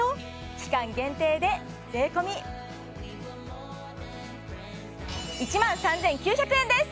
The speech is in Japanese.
期間限定で税込１万３９００円です！